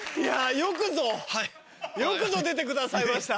よくぞ出てくださいました。